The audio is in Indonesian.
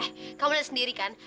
eh kamu lihat sendiri kan